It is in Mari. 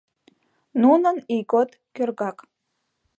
Нунын ийгот кӧргак.